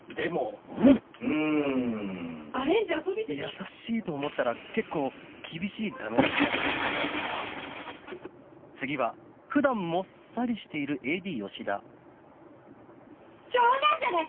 優しいと思ったら結構厳しいダメ出しが続く中次は普段もっさりしている冗談じゃない！